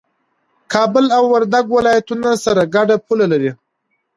کابل او وردګ ولايتونه سره ګډه پوله لري